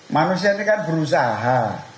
manusia ini kan berusaha